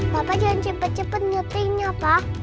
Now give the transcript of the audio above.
bapak jangan cepet cepet nyetirnya pak